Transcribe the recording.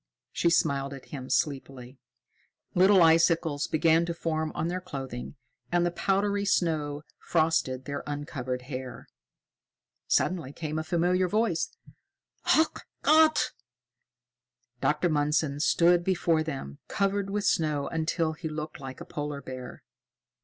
She smiled at him sleepily. Little icicles began to form on their clothing, and the powdery snow frosted their uncovered hair. Suddenly came a familiar voice: "Ach Gott!" Dr. Mundson stood before them, covered with snow until he looked like a polar bear.